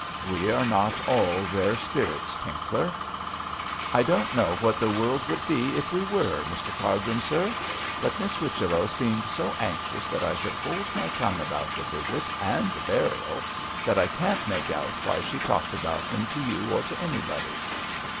'We are not all rare spirits, Tinkler.' 'I don't know what the world would be if we were, Mr Cargrim, sir. But Miss Whichello seemed so anxious that I should hold my tongue about the visit and the burial that I can't make out why she talked about them to you or to anybody.'